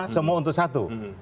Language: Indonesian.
semua untuk satu